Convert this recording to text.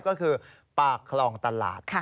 ก็คือปากคลองตลาด